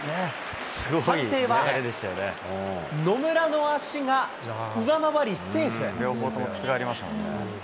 判定は、野村の足が上回り、セーフ。